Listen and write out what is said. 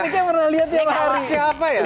kayaknya pernah liat ya siapa ya